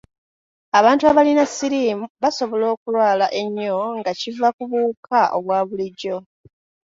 Abantu abalina siriimu basobola okulwala ennyo nga kiva ku buwuka obwa bulijjo.